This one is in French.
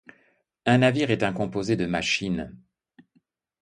Un navire est un composé de machines.